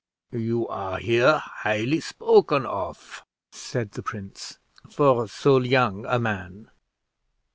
"You are here highly spoken of," said the prince, "for so young a man.